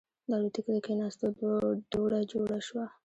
د الوتکې له کېناستو دوړه جوړه شوه.